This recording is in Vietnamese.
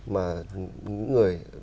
mà những người